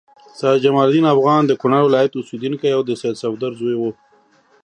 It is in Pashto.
سید جمال الدین افغان د کونړ ولایت اوسیدونکی او د سید صفدر زوی و.